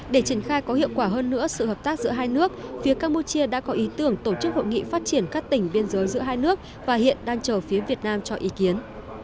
để triển khai có hiệu quả hơn nữa sự hợp tác giữa hai nước phía campuchia đã có ý tưởng tổ chức hội nghị phát triển các tỉnh biên giới giữa hai nước và hiện đang chờ phía việt nam cho ý kiến